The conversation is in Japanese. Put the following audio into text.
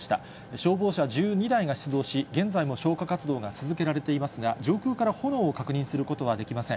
消防車１２台が出動し、現在も消火活動が続けられていますが、上空から炎を確認することはできません。